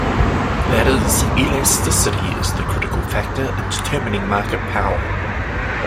That is, elasticity is the critical factor in determining market power.